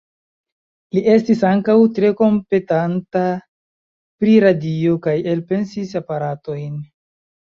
Li estis ankaŭ tre kompetenta pri radio kaj elpensis aparatojn.